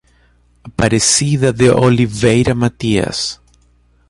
Aparecida de Oliveira Matias